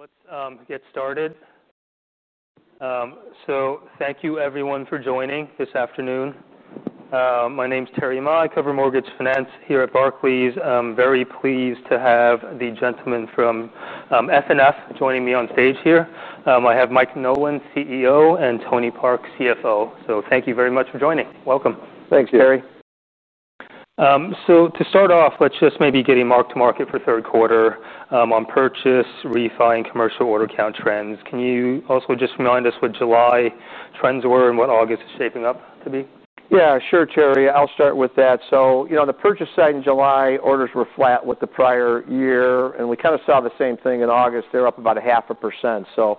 Let's get started. Thank you, everyone, for joining this afternoon. My name is Terry Ma. I cover mortgage finance here at Barclays. I'm very pleased to have the gentlemen from Fidelity National Financial joining me on stage here. I have Mike Nolan, CEO, and Tony Park, CFO. Thank you very much for joining. Welcome. Thanks, Terry. To start off, let's just maybe get a mark to market for third quarter on purchase, refi, and commercial order count trends. Can you also just remind us what July trends were and what August is shaping up to be? Yeah, sure, Terry. I'll start with that. The purchase side in July, orders were flat with the prior year. We kind of saw the same thing in August. They're up about 0.5%.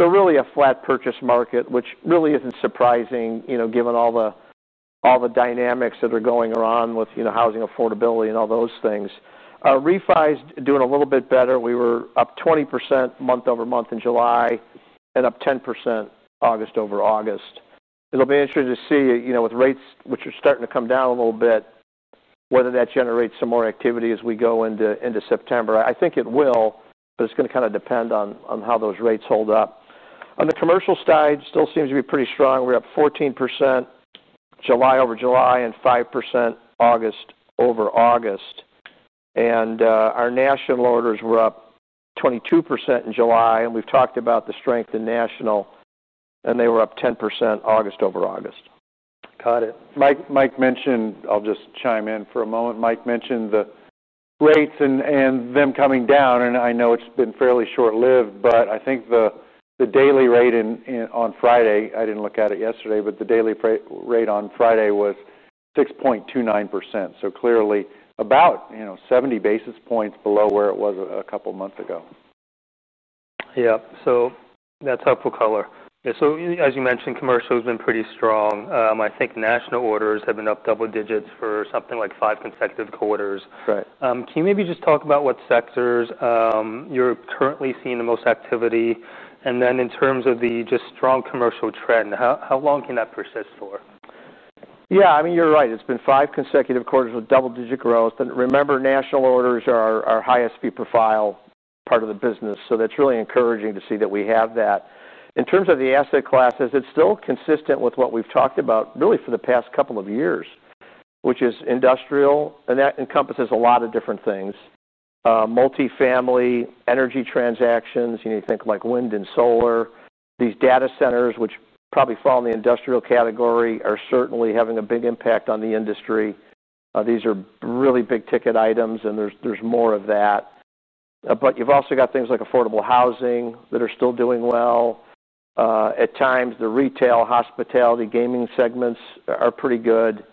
Really a flat purchase market, which really isn't surprising, given all the dynamics that are going on with housing affordability and all those things. Our refi is doing a little bit better. We were up 20% month over month in July and up 10% August over August. It'll be interesting to see, with rates which are starting to come down a little bit, whether that generates some more activity as we go into September. I think it will, but it's going to kind of depend on how those rates hold up. On the commercial side, it still seems to be pretty strong. We're up 14% July over July and 5% August over August. Our national orders were up 22% in July. We've talked about the strength in national, and they were up 10% August over August. Got it. Mike mentioned, I'll just chime in for a moment, Mike mentioned the rates and them coming down. I know it's been fairly short-lived, but I think the daily rate on Friday, I didn't look at it yesterday, but the daily rate on Friday was 6.29%. Clearly about, you know, 70 basis points below where it was a couple of months ago. That's helpful color. As you mentioned, commercial has been pretty strong. I think national orders have been up double digits for something like five consecutive quarters. Right. Can you maybe just talk about what sectors you're currently seeing the most activity? In terms of the just strong commercial trend, how long can that persist for? Yeah, I mean, you're right. It's been five consecutive quarters with double-digit growth. Remember, national orders are our highest fee profile part of the business, so that's really encouraging to see that we have that. In terms of the asset classes, it's still consistent with what we've talked about really for the past couple of years, which is industrial, and that encompasses a lot of different things. Multi-family, energy transactions, you need to think of like wind and solar. These data centers, which probably fall in the industrial category, are certainly having a big impact on the industry. These are really big ticket items, and there's more of that. You've also got things like affordable housing that are still doing well. At times, the retail, hospitality, gaming segments are pretty good.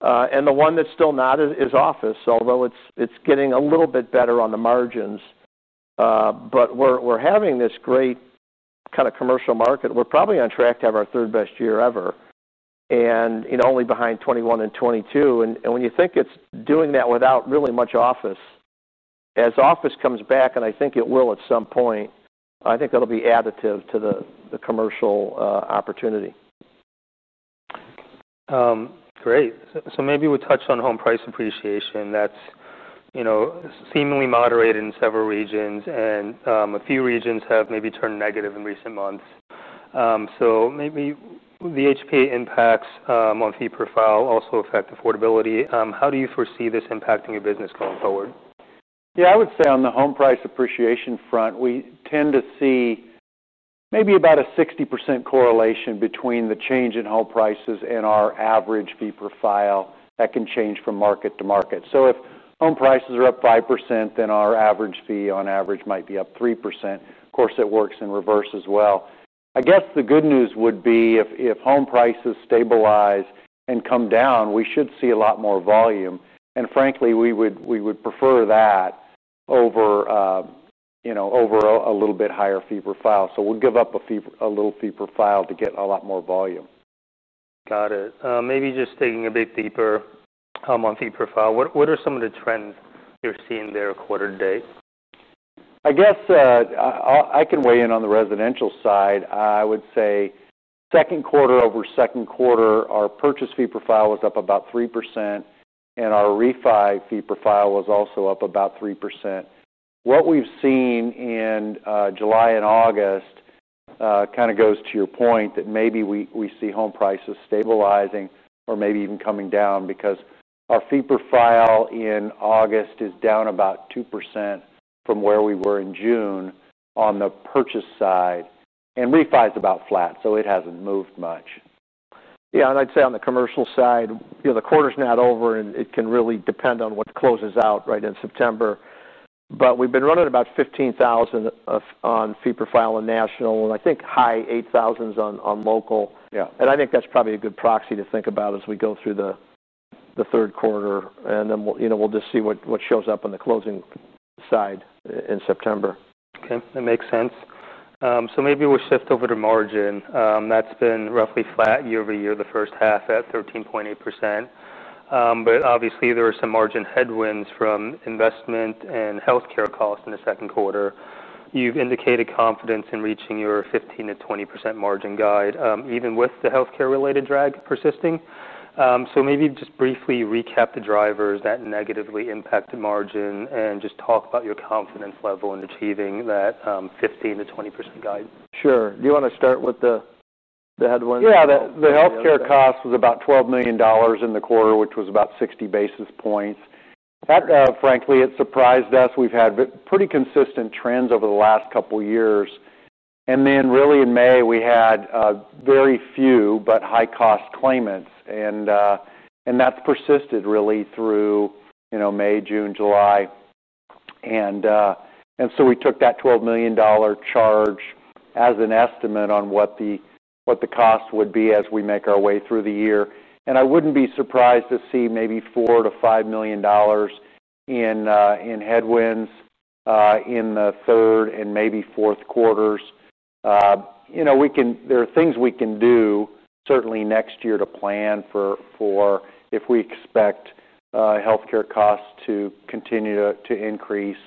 The one that's still not is office, although it's getting a little bit better on the margins. We're having this great kind of commercial market. We're probably on track to have our third best year ever, only behind 2021 and 2022. When you think it's doing that without really much office, as office comes back, and I think it will at some point, I think that'll be additive to the commercial opportunity. Great. Maybe we touch on home price appreciation. That's, you know, seemingly moderated in several regions, and a few regions have maybe turned negative in recent months. Maybe the HPA impacts on fee profile also affect affordability. How do you foresee this impacting your business going forward? Yeah, I would say on the home price appreciation front, we tend to see maybe about a 60% correlation between the change in home prices and our average fee profile. That can change from market to market. If home prices are up 5%, then our average fee on average might be up 3%. Of course, it works in reverse as well. The good news would be if home prices stabilize and come down, we should see a lot more volume. Frankly, we would prefer that over a little bit higher fee profile. We'll give up a little fee profile to get a lot more volume. Got it. Maybe just digging a bit deeper on fee profile, what are some of the trends you're seeing there quarter to date? I guess I can weigh in on the residential side. I would say second quarter over second quarter, our purchase fee profile was up about 3%, and our refi fee profile was also up about 3%. What we've seen in July and August kind of goes to your point that maybe we see home prices stabilizing or maybe even coming down because our fee profile in August is down about 2% from where we were in June on the purchase side. Refi is about flat, so it hasn't moved much. Yeah, I'd say on the commercial side, the quarter's not over and it can really depend on what closes out right in September. We've been running about $15,000 on fee profile in national and I think high $8,000 on local. I think that's probably a good proxy to think about as we go through the third quarter. We'll just see what shows up on the closing side in September. Okay, that makes sense. Maybe we'll shift over to margin. That's been roughly flat year over year, the first half at 13.8%. Obviously, there are some margin headwinds from investment and healthcare costs in the second quarter. You've indicated confidence in reaching your 15% to 20% margin guide, even with the healthcare-related drag persisting. Maybe just briefly recap the drivers that negatively impact the margin and just talk about your confidence level in achieving that 15% to 20% guide. Sure, do you want to start with the headwinds? Yeah, the healthcare cost was about $12 million in the quarter, which was about 60 bps. That, frankly, surprised us. We've had pretty consistent trends over the last couple of years. In May, we had very few but high-cost claimants. That's persisted through May, June, July. We took that $12 million charge as an estimate on what the cost would be as we make our way through the year. I wouldn't be surprised to see maybe $4 to $5 million in headwinds in the third and maybe fourth quarters. There are things we can do certainly next year to plan for if we expect healthcare costs to continue to increase,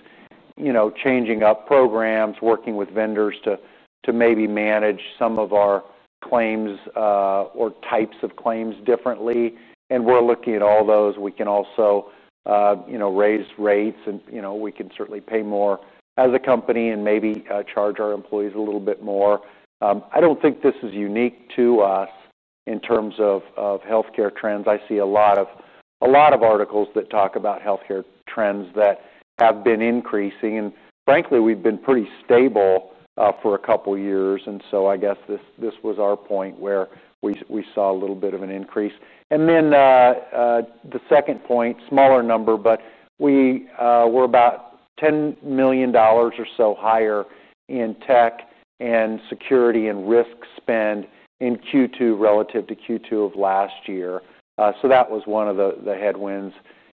changing up programs, working with vendors to maybe manage some of our claims or types of claims differently. We're looking at all those. We can also raise rates and we can certainly pay more as a company and maybe charge our employees a little bit more. I don't think this is unique to us in terms of healthcare trends. I see a lot of articles that talk about healthcare trends that have been increasing. Frankly, we've been pretty stable for a couple of years. I guess this was our point where we saw a little bit of an increase. The second point, smaller number, but we were about $10 million or so higher in tech and security and risk spend in Q2 relative to Q2 of last year. That was one of the headwinds,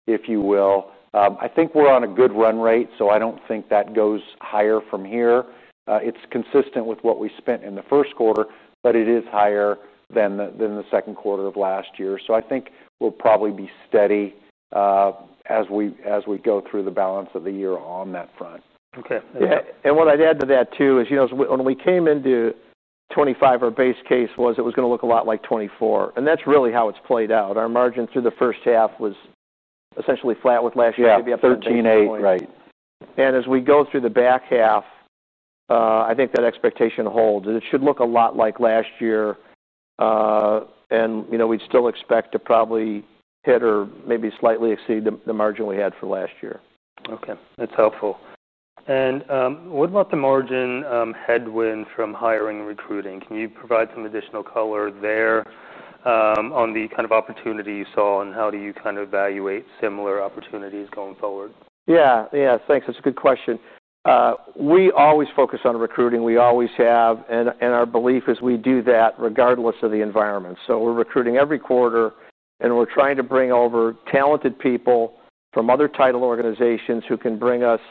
if you will. I think we're on a good run rate, so I don't think that goes higher from here. It's consistent with what we spent in the first quarter, but it is higher than the second quarter of last year. I think we'll probably be steady as we go through the balance of the year on that front. Okay. What I'd add to that too is, you know, when we came into 2025, our base case was it was going to look a lot like 2024. That's really how it's played out. Our margin through the first half was essentially flat with last year. Yeah, $13.8 million, right. As we go through the back half, I think that expectation holds. It should look a lot like last year. We would still expect to probably hit or maybe slightly exceed the margin we had for last year. Okay, that's helpful. What about the margin headwind from hiring and recruiting? Can you provide some additional color there on the kind of opportunity you saw, and how do you kind of evaluate similar opportunities going forward? Yeah, thanks. That's a good question. We always focus on recruiting. We always have, and our belief is we do that regardless of the environment. We're recruiting every quarter and we're trying to bring over talented people from other title organizations who can bring us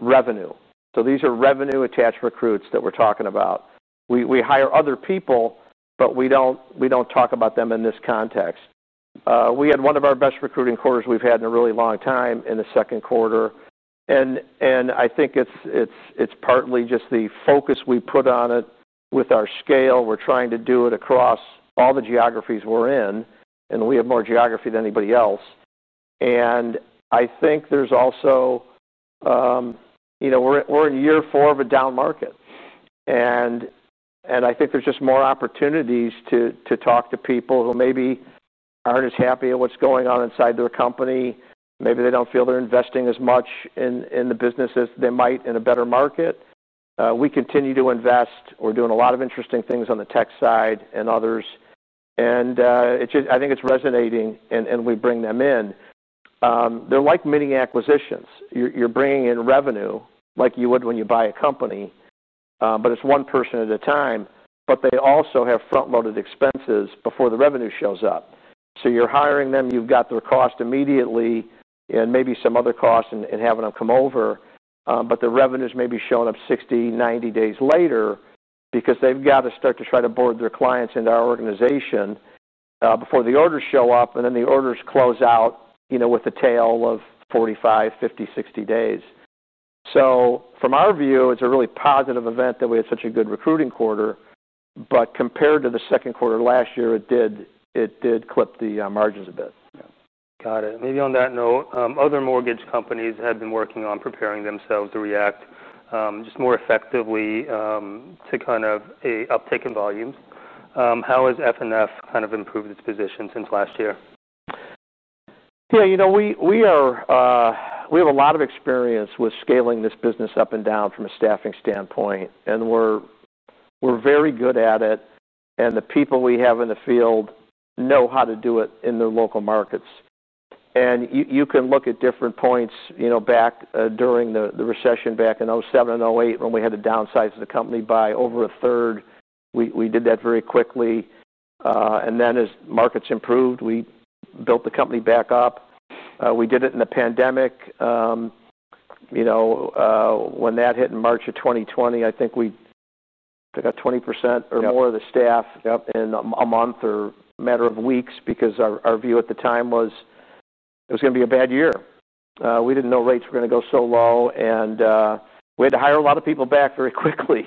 revenue. These are revenue-attached recruits that we're talking about. We hire other people, but we don't talk about them in this context. We had one of our best recruiting quarters we've had in a really long time in the second quarter. I think it's partly just the focus we put on it with our scale. We're trying to do it across all the geographies we're in. We have more geography than anybody else. I think there's also, you know, we're in year four of a down market. I think there's just more opportunities to talk to people who maybe aren't as happy at what's going on inside their company. Maybe they don't feel they're investing as much in the business as they might in a better market. We continue to invest. We're doing a lot of interesting things on the tech side and others. I think it's resonating and we bring them in. They're like mini acquisitions. You're bringing in revenue like you would when you buy a company, but it's one person at a time. They also have front-loaded expenses before the revenue shows up. You're hiring them, you've got their cost immediately and maybe some other cost and having them come over. The revenue is maybe showing up 60, 90 days later because they've got to start to try to board their clients into our organization before the orders show up. The orders close out with the tail of 45, 50, 60 days. From our view, it's a really positive event that we had such a good recruiting quarter. Compared to the second quarter last year, it did clip the margins a bit. Got it. On that note, other mortgage companies have been working on preparing themselves to react just more effectively to kind of an uptick in volumes. How has FNF kind of improved its position since last year? Yeah, you know, we have a lot of experience with scaling this business up and down from a staffing standpoint. We're very good at it, and the people we have in the field know how to do it in their local markets. You can look at different points, back during the recession in 2007 and 2008 when we had to downsize the company by over a third. We did that very quickly, and as markets improved, we built the company back up. We did it in the pandemic, when that hit in March of 2020. I think we took out 20% or more of the staff in a month or a matter of weeks because our view at the time was it was going to be a bad year. We didn't know rates were going to go so low, and we had to hire a lot of people back very quickly.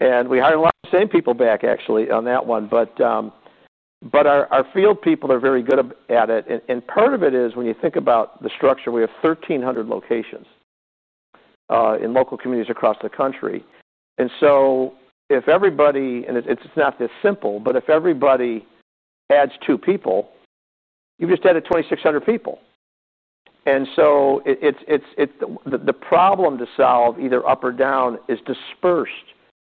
We hired a lot of the same people back, actually, on that one. Our field people are very good at it. Part of it is when you think about the structure, we have 1,300 locations in local communities across the country. If everybody, and it's not this simple, but if everybody adds two people, you've just added 2,600 people. The problem to solve, either up or down, is dispersed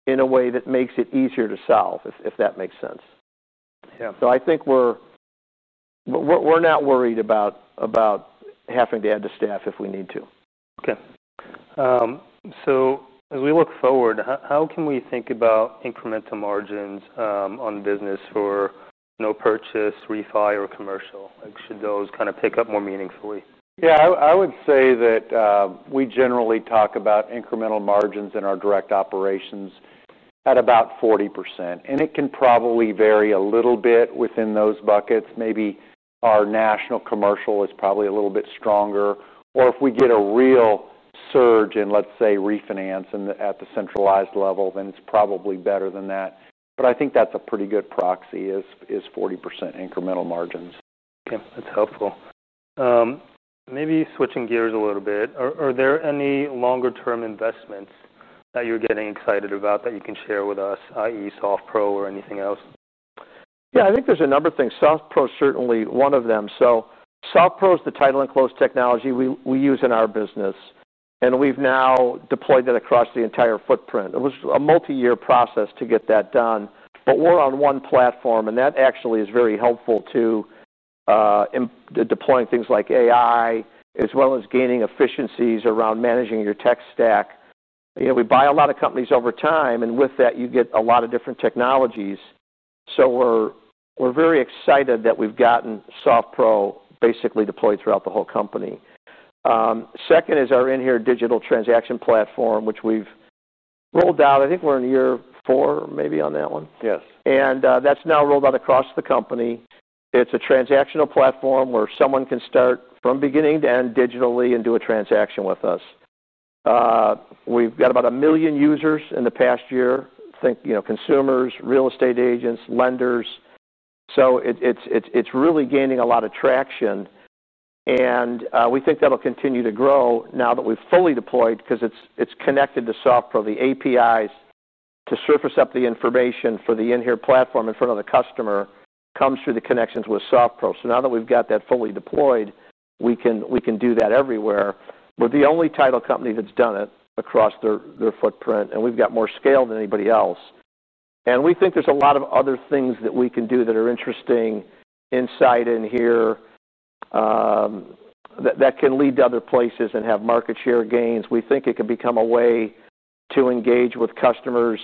in a way that makes it easier to solve, if that makes sense. I think we're not worried about having to add to staff if we need to. As we look forward, how can we think about incremental margins on business for no purchase, refund, or commercial? Should those kind of pick up more meaningfully? Yeah, I would say that we generally talk about incremental margins in our direct operations at about 40%. It can probably vary a little bit within those buckets. Maybe our national commercial is probably a little bit stronger. If we get a real surge in, let's say, refinance at the centralized level, then it's probably better than that. I think that's a pretty good proxy is 40% incremental margins. Okay, that's helpful. Maybe switching gears a little bit, are there any longer-term investments that you're getting excited about that you can share with us, i.e., SoftPro or anything else? Yeah, I think there's a number of things. SoftPro is certainly one of them. SoftPro is the title enclosed technology we use in our business, and we've now deployed that across the entire footprint. It was a multi-year process to get that done, but we're on one platform, and that actually is very helpful to deploying things like AI, as well as gaining efficiencies around managing your tech stack. You know, we buy a lot of companies over time, and with that, you get a lot of different technologies. We're very excited that we've gotten SoftPro basically deployed throughout the whole company. Second is our inHere digital transaction platform, which we've rolled out. I think we're in year four, maybe on that one. Yes. That's now rolled out across the company. It's a transactional platform where someone can start from beginning to end digitally and do a transaction with us. We've got about a million users in the past year. Think, you know, consumers, real estate agents, lenders. It's really gaining a lot of traction. We think that'll continue to grow now that we've fully deployed because it's connected to SoftPro. The APIs to surface up the information for the inHere platform in front of the customer come through the connections with SoftPro. Now that we've got that fully deployed, we can do that everywhere. We're the only title company that's done it across their footprint, and we've got more scale than anybody else. We think there's a lot of other things that we can do that are interesting inside inHere that can lead to other places and have market share gains. We think it could become a way to engage with customers,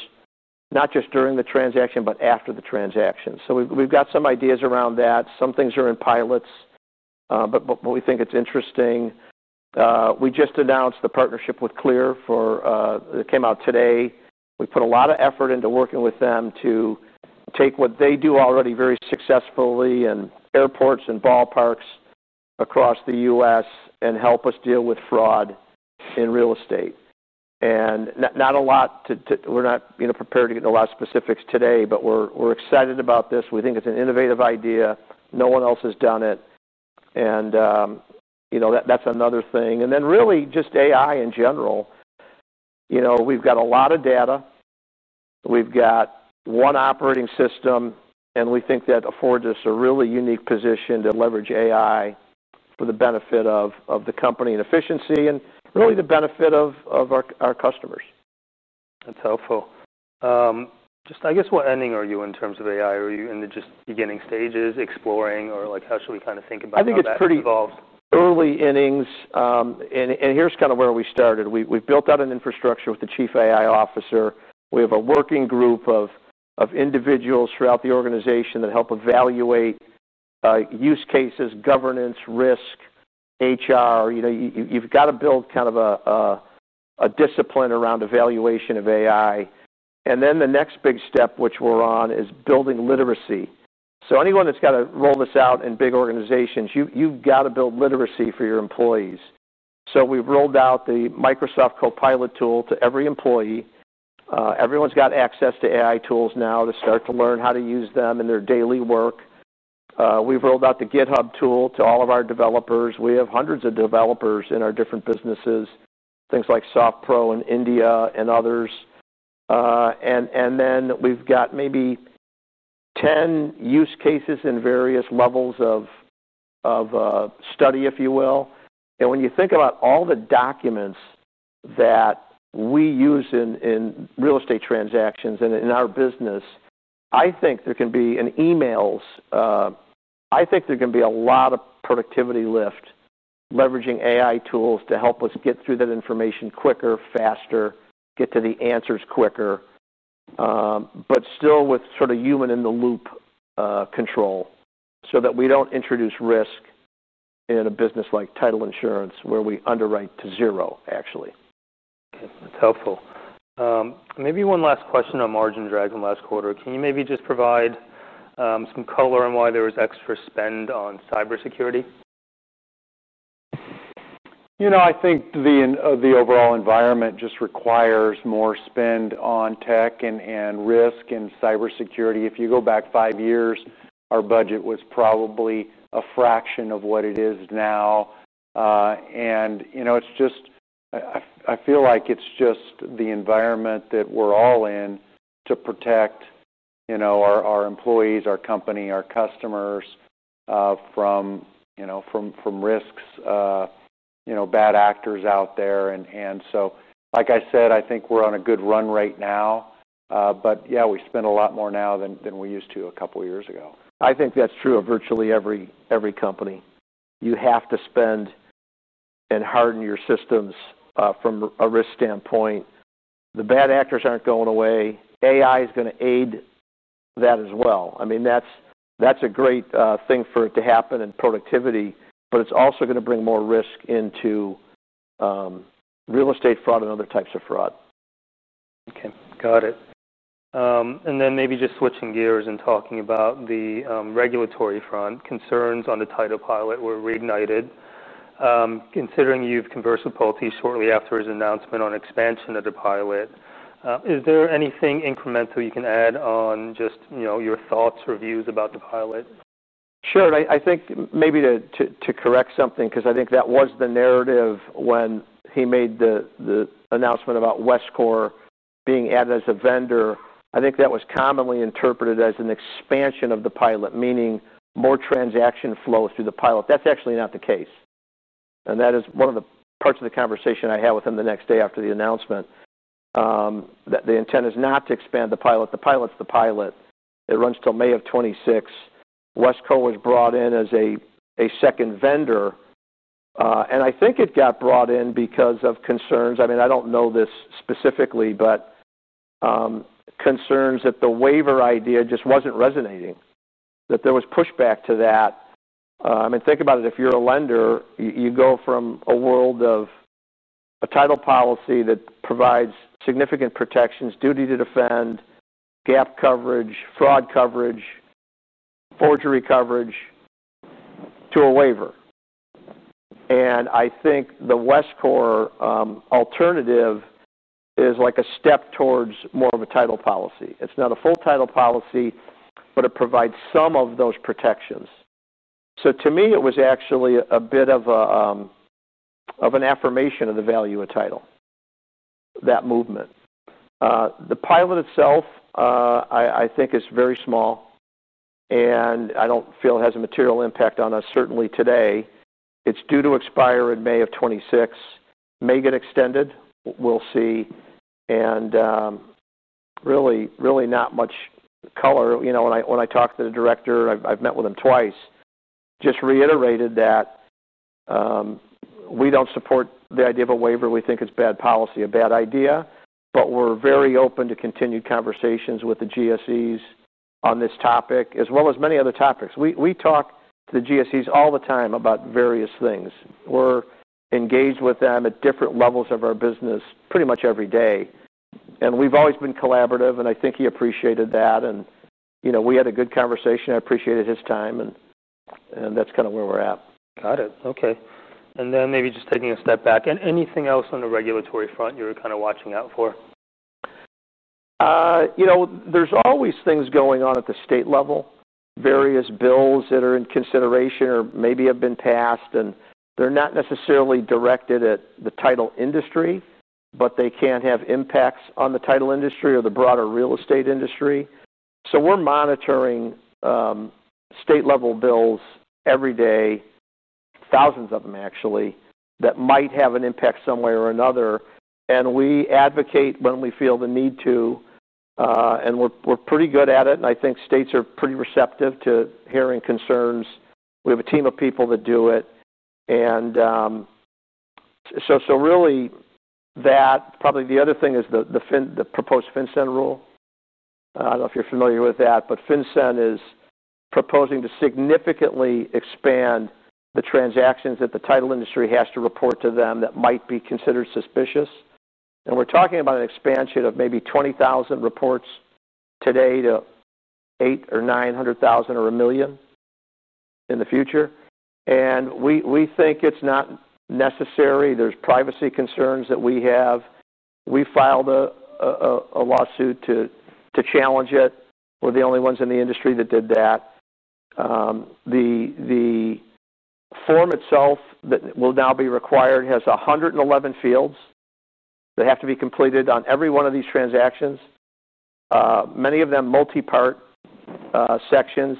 not just during the transaction, but after the transaction. We've got some ideas around that. Some things are in pilots, but we think it's interesting. We just announced the partnership with Clear that came out today. We put a lot of effort into working with them to take what they do already very successfully in airports and ballparks across the U.S. and help us deal with fraud in real estate. We're not prepared to get into a lot of specifics today, but we're excited about this. We think it's an innovative idea. No one else has done it. That's another thing. Really just AI in general. We've got a lot of data. We've got one operating system, and we think that affords us a really unique position to leverage AI for the benefit of the company and efficiency and really the benefit of our customers. That's helpful. What ending are you in terms of AI? Are you in the just beginning stages, exploring, or how should we kind of think about that? I think it's pretty early innings. Here's kind of where we started. We've built out an infrastructure with the Chief AI Officer. We have a working group of individuals throughout the organization that help evaluate use cases, governance, risk, HR. You've got to build kind of a discipline around evaluation of AI. The next big step, which we're on, is building literacy. Anyone that's got to roll this out in big organizations, you've got to build literacy for your employees. We've rolled out the Microsoft Copilot tool to every employee. Everyone's got access to AI tools now to start to learn how to use them in their daily work. We've rolled out the GitHub tool to all of our developers. We have hundreds of developers in our different businesses, things like SoftPro in India and others. We've got maybe 10 use cases in various levels of study, if you will. When you think about all the documents that we use in real estate transactions and in our business, I think there can be, in emails, I think there can be a lot of productivity lift leveraging AI tools to help us get through that information quicker, faster, get to the answers quicker, but still with sort of human-in-the-loop control so that we don't introduce risk in a business like title insurance where we underwrite to zero, actually. Okay, that's helpful. Maybe one last question on margin drag in the last quarter. Can you maybe just provide some color on why there was extra spend on cybersecurity? I think the overall environment just requires more spend on tech and risk and cybersecurity. If you go back five years, our budget was probably a fraction of what it is now. It's just the environment that we're all in to protect our employees, our company, our customers from risks, bad actors out there. Like I said, I think we're on a good run right now. We spend a lot more now than we used to a couple of years ago. I think that's true of virtually every company. You have to spend and harden your systems from a risk standpoint. The bad actors aren't going away. AI is going to aid that as well. That's a great thing for it to happen in productivity, but it's also going to bring more risk into real estate fraud and other types of frauds. Okay, got it. Maybe just switching gears and talking about the regulatory front, concerns on the title pilot were reignited. Considering you've conversed with Paul T shortly after his announcement on expansion of the pilot, is there anything incremental you can add on just, you know, your thoughts or views about the pilot? Sure. I think maybe to correct something, because I think that was the narrative when he made the announcement about WestCore being added as a vendor, I think that was commonly interpreted as an expansion of the pilot, meaning more transaction flow through the pilot. That's actually not the case. That is one of the parts of the conversation I had with him the next day after the announcement. The intent is not to expand the pilot. The pilot's the pilot. It runs till May of 2026. WestCore was brought in as a second vendor. I think it got brought in because of concerns. I mean, I don't know this specifically, but concerns that the waiver idea just wasn't resonating, that there was pushback to that. Think about it. If you're a lender, you go from a world of a title policy that provides significant protections, duty to defend, gap coverage, fraud coverage, forgery coverage to a waiver. I think the WestCore alternative is like a step towards more of a title policy. It's not a full title policy, but it provides some of those protections. To me, it was actually a bit of an affirmation of the value of title, that movement. The pilot itself, I think, is very small. I don't feel it has a material impact on us, certainly today. It's due to expire in May of 2026. May get extended. We'll see. Really, really not much color. When I talked to the director, I've met with him twice, just reiterated that we don't support the idea of a waiver. We think it's bad policy, a bad idea. We're very open to continued conversations with the GSEs on this topic, as well as many other topics. We talk to the GSEs all the time about various things. We're engaged with them at different levels of our business pretty much every day. We've always been collaborative, and I think he appreciated that. We had a good conversation. I appreciated his time. That's kind of where we're at. Got it. Okay. Maybe just taking a step back, anything else on the regulatory front you were kind of watching out for? You know, there's always things going on at the state level, various bills that are in consideration or maybe have been passed. They're not necessarily directed at the title industry, but they can have impacts on the title industry or the broader real estate industry. We're monitoring state-level bills every day, thousands of them, actually, that might have an impact some way or another. We advocate when we feel the need to. We're pretty good at it. I think states are pretty receptive to hearing concerns. We have a team of people that do it. Really, that probably the other thing is the proposed FinCEN rule. I don't know if you're familiar with that, but FinCEN is proposing to significantly expand the transactions that the title industry has to report to them that might be considered suspicious. We're talking about an expansion of maybe 20,000 reports today to 800,000 or 900,000 or a million in the future. We think it's not necessary. There are privacy concerns that we have. We filed a lawsuit to challenge it. We're the only ones in the industry that did that. The form itself that will now be required has 111 fields that have to be completed on every one of these transactions, many of them multi-part sections.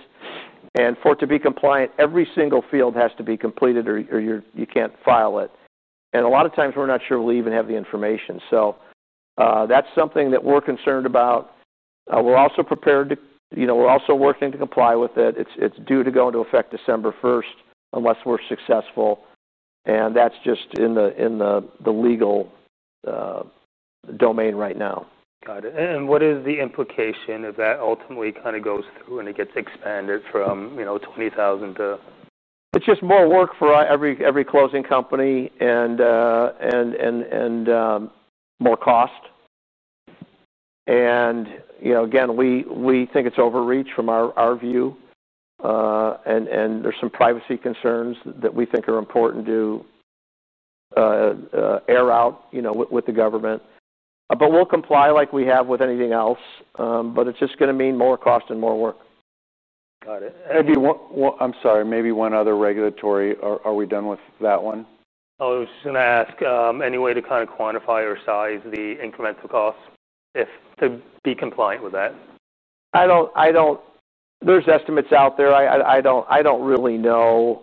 For it to be compliant, every single field has to be completed or you can't file it. A lot of times, we're not sure we'll even have the information. That's something that we're concerned about. We're also prepared to, you know, we're also working to comply with it. It's due to go into effect December 1, unless we're successful. That's just in the legal domain right now. Got it. What is the implication if that ultimately kind of goes through and it gets expanded from, you know, $20,000 to? It's just more work for every closing company and more cost. You know, again, we think it's overreach from our view. There are some privacy concerns that we think are important to air out with the government. We'll comply like we have with anything else. It's just going to mean more cost and more work. Got it. I'm sorry, maybe one other regulatory, are we done with that one? I was just going to ask, any way to kind of quantify or size the incremental costs to be compliant with that? I don't really know.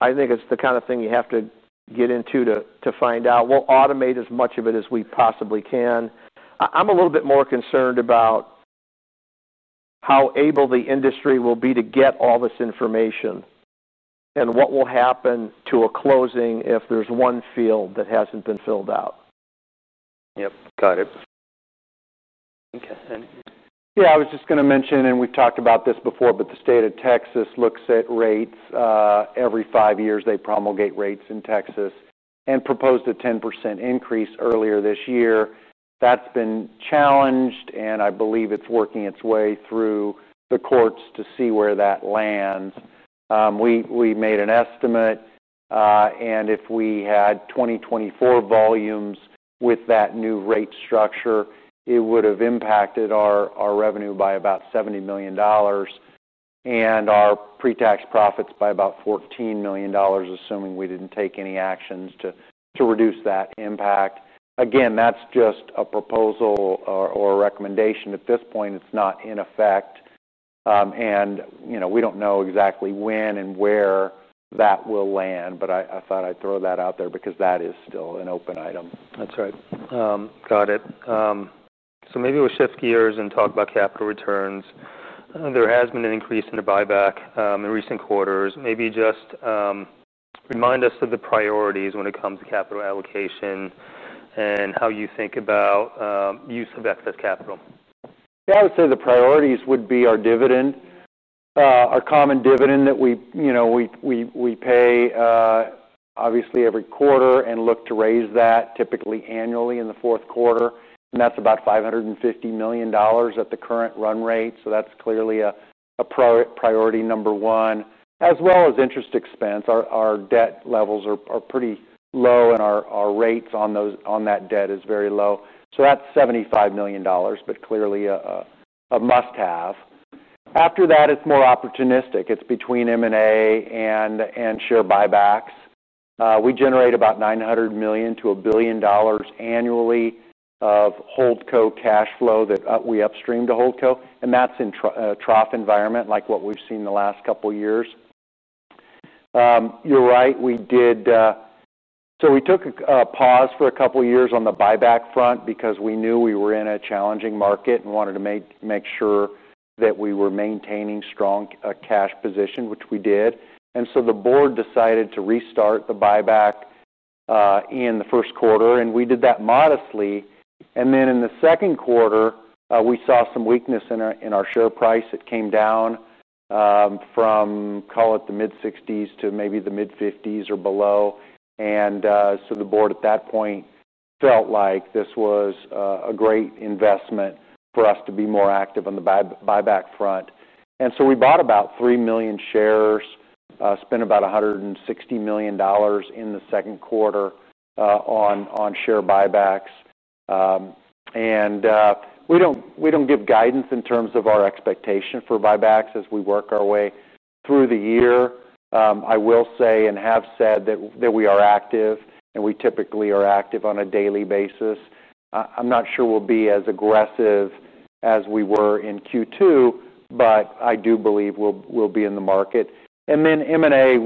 I think it's the kind of thing you have to get into to find out. We'll automate as much of it as we possibly can. I'm a little bit more concerned about how able the industry will be to get all this information and what will happen to a closing if there's one field that hasn't been filled out. Yep, got it. Okay. Yeah, I was just going to mention, and we've talked about this before, but the state of Texas looks at rates. Every five years, they promulgate rates in Texas and proposed a 10% increase earlier this year. That's been challenged, and I believe it's working its way through the courts to see where that lands. We made an estimate, and if we had 2024 volumes with that new rate structure, it would have impacted our revenue by about $70 million and our pre-tax profits by about $14 million, assuming we didn't take any actions to reduce that impact. Again, that's just a proposal or a recommendation at this point. It's not in effect. You know, we don't know exactly when and where that will land, but I thought I'd throw that out there because that is still an open item. That's right. Got it. Maybe we'll shift gears and talk about capital returns. There has been an increase in the buyback in recent quarters. Maybe just remind us of the priorities when it comes to capital allocation and how you think about use of excess capital. Yeah, I would say the priorities would be our dividend, our common dividend that we, you know, we pay obviously every quarter and look to raise that typically annually in the fourth quarter. That's about $550 million at the current run rate. That's clearly a priority number one, as well as interest expense. Our debt levels are pretty low and our rates on that debt are very low. That's $75 million, but clearly a must-have. After that, it's more opportunistic. It's between M&A and share buybacks. We generate about $900 million to $1 billion annually of Holdco cash flow that we upstream to Holdco. That's in a trough environment like what we've seen the last couple of years. You're right. We did. We took a pause for a couple of years on the buyback front because we knew we were in a challenging market and wanted to make sure that we were maintaining strong cash position, which we did. The board decided to restart the buyback in the first quarter. We did that modestly. In the second quarter, we saw some weakness in our share price. It came down from, call it, the mid-60s to maybe the mid-50s or below. The board at that point felt like this was a great investment for us to be more active on the buyback front. We bought about 3 million shares, spent about $160 million in the second quarter on share buybacks. We don't give guidance in terms of our expectation for buybacks as we work our way through the year. I will say and have said that we are active, and we typically are active on a daily basis. I'm not sure we'll be as aggressive as we were in Q2, but I do believe we'll be in the market. M&A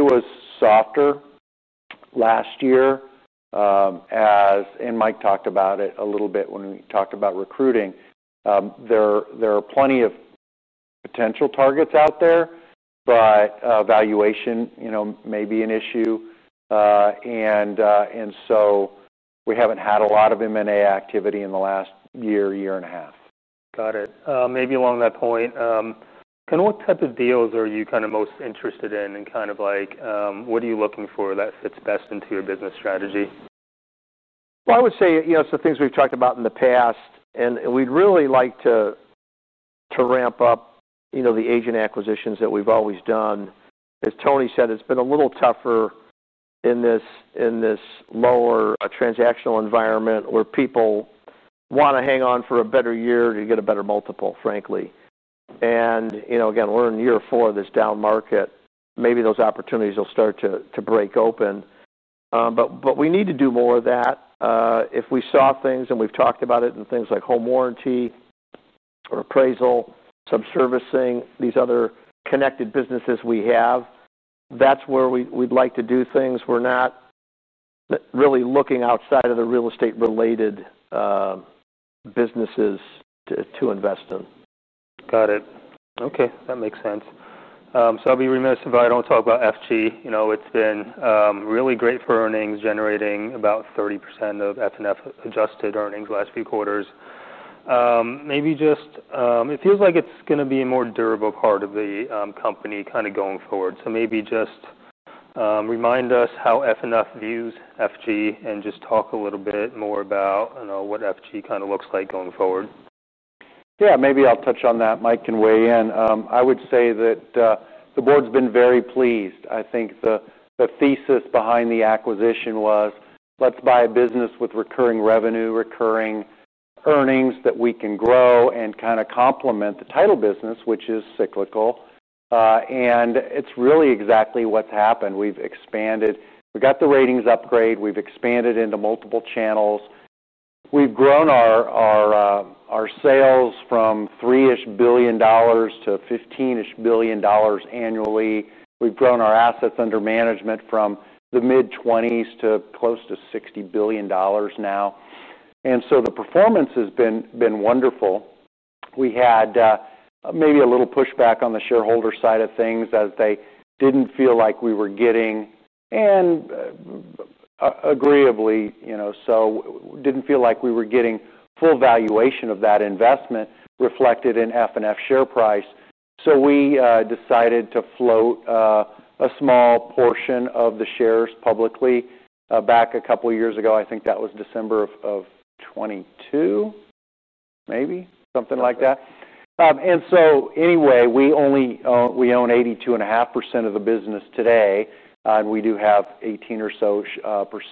was softer last year, as Mike talked about it a little bit when we talked about recruiting. There are plenty of potential targets out there, but valuation, you know, may be an issue. We haven't had a lot of M&A activity in the last year, year and a half. Got it. Maybe along that point, what type of deals are you most interested in, and what are you looking for that fits best into your business strategy? Some things we've talked about in the past, and we'd really like to ramp up the agent acquisitions that we've always done. As Tony said, it's been a little tougher in this lower transactional environment where people want to hang on for a better year to get a better multiple, frankly. We're in year four of this down market. Maybe those opportunities will start to break open. We need to do more of that. If we saw things, and we've talked about it, and things like home warranty or appraisal, some servicing, these other connected businesses we have, that's where we'd like to do things. We're not really looking outside of the real estate-related businesses to invest in. Got it. Okay, that makes sense. I'll be remiss if I don't talk about F&G. You know, it's been really great for earnings, generating about 30% of FNF adjusted earnings the last few quarters. Maybe just, it feels like it's going to be a more durable part of the company going forward. Maybe just remind us how FNF views F&G and just talk a little bit more about what F&G kind of looks like going forward. Yeah, maybe I'll touch on that. Mike can weigh in. I would say that the board's been very pleased. I think the thesis behind the acquisition was, let's buy a business with recurring revenue, recurring earnings that we can grow and kind of complement the title business, which is cyclical. It's really exactly what's happened. We've expanded. We got the ratings upgrade. We've expanded into multiple channels. We've grown our sales from $3-ish billion to $15-ish billion annually. We've grown our assets under management from the mid-20s to close to $60 billion now. The performance has been wonderful. We had maybe a little pushback on the shareholder side of things as they didn't feel like we were getting, and agreeably, you know, so didn't feel like we were getting full valuation of that investment reflected in FNF share price. We decided to float a small portion of the shares publicly back a couple of years ago. I think that was December of 2022, maybe, something like that. Anyway, we only own 82.5% of the business today, and we do have 18 or so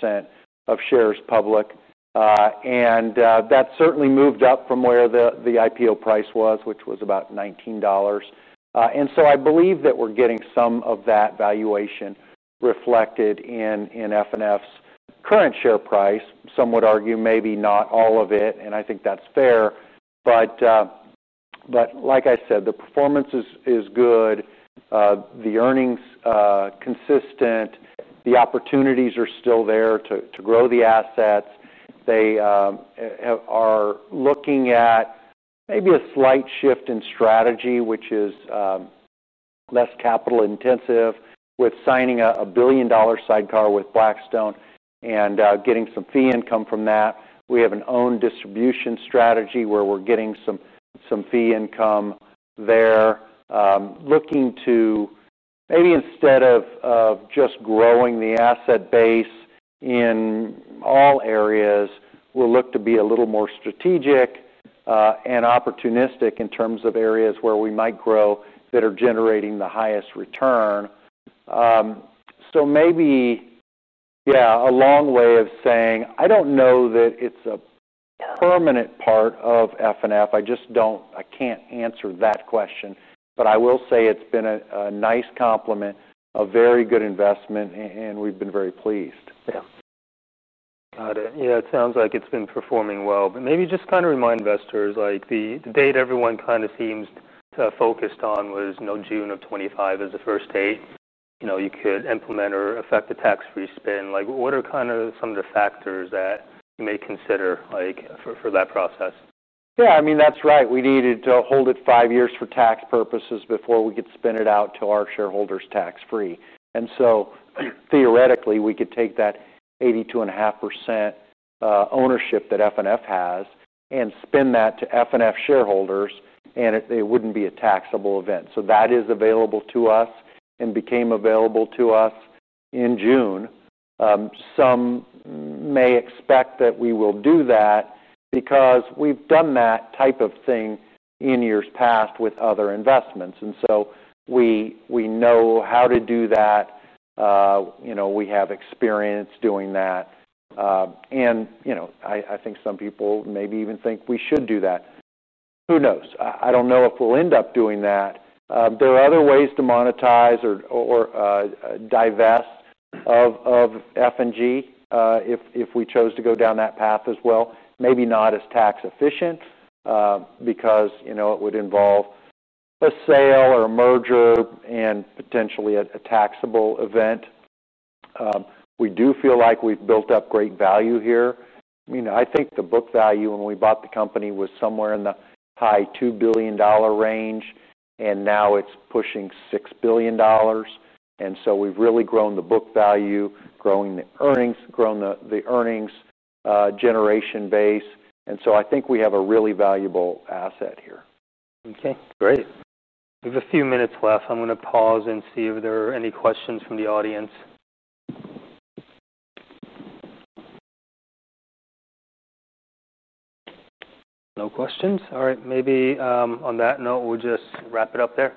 % of shares public. That certainly moved up from where the IPO price was, which was about $19. I believe that we're getting some of that valuation reflected in FNF's current share price. Some would argue maybe not all of it, and I think that's fair. Like I said, the performance is good. The earnings are consistent. The opportunities are still there to grow the assets. They are looking at maybe a slight shift in strategy, which is less capital intensive, with signing a $1 billion sidecar with Blackstone and getting some fee income from that. We have an own distribution strategy where we're getting some fee income there, looking to maybe instead of just growing the asset base in all areas, we'll look to be a little more strategic and opportunistic in terms of areas where we might grow that are generating the highest return. Maybe, yeah, a long way of saying I don't know that it's a permanent part of FNF. I just don't, I can't answer that question. I will say it's been a nice complement, a very good investment, and we've been very pleased. Got it. Yeah, it sounds like it's been performing well. Maybe just kind of remind investors, like the date everyone kind of seems to have focused on was, you know, June of 2025 as the first day, you know, you could implement or affect the tax-free spin. What are kind of some of the factors that you may consider for that process? Yeah, I mean, that's right. We needed to hold it five years for tax purposes before we could spin it out to our shareholders tax-free. Theoretically, we could take that 82.5% ownership that FNF has and spin that to FNF shareholders, and it wouldn't be a taxable event. That is available to us and became available to us in June. Some may expect that we will do that because we've done that type of thing in years past with other investments. We know how to do that. We have experience doing that. I think some people maybe even think we should do that. Who knows? I don't know if we'll end up doing that. There are other ways to monetize or divest of F&G if we chose to go down that path as well. Maybe not as tax-efficient because it would involve a sale or a merger and potentially a taxable event. We do feel like we've built up great value here. I think the book value when we bought the company was somewhere in the high $2 billion range, and now it's pushing $6 billion. We've really grown the book value, grown the earnings, grown the earnings generation base. I think we have a really valuable asset here. Okay, great. We have a few minutes left. I'm going to pause and see if there are any questions from the audience. No questions? All right, maybe on that note, we'll just wrap it up.